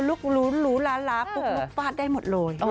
ลุกรูรูล้าลับปุ๊กลุ๊กฟาดได้หมดเลย